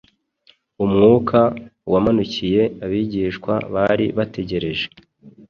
Umwuka wamanukiye abigishwa bari bategereje